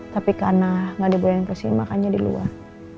tapi karena tidak dibayangin ke sini makanya di luar